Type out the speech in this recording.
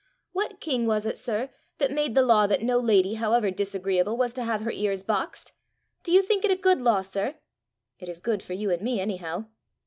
What king was it, sir, that made the law that no lady, however disagreeable, was to have her ears boxed? Do you think it a good law, sir?" "It is good for you and me anyhow."